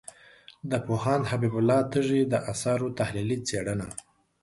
د پوهاند حبیب الله تږي د آثارو تحلیلي څېړنه